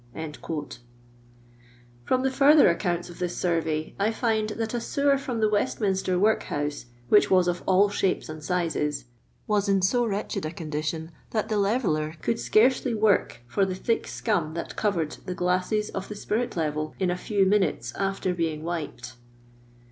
From the further accounts of this sorvey, I find that a sewer from the Westminster Woikbonsi^ which was of all shapes and sixes, was in m wretched a condition tliat the lereller eoild scarcely work for the thick scum that coveiedjlhi ghtfses of the spirit level in a few minutes aft« being wiped.